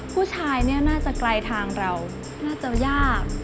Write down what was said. ผู้ชายเนี่ยน่าจะไกลทางเราน่าจะยาก